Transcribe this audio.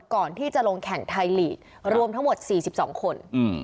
ก่อนที่จะลงแข่งไทยลีกรวมทั้งหมด๔๒คน